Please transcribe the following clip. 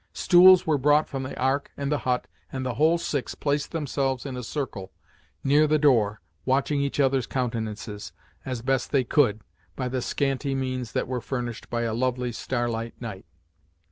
Stools were brought from the Ark and the hut, and the whole six placed themselves in a circle, near the door, watching each other's countenances, as best they could, by the scanty means that were furnished by a lovely star light night.